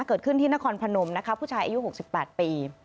เกิดขึ้นที่นครพนมนะคะผู้ชายอายุ๖๘ปี